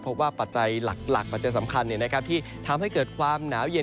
พบว่าปัจจัยหลักปัจจัยสำคัญเนี่ยนะครับที่ทำให้เกิดความหนาเย็น